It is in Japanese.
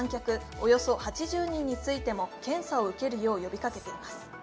およそ８０人についても検査を受けるよう呼びかけています。